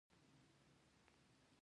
زما په اړه يې څه ووېل